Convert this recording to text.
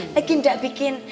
mungkin enggak bikin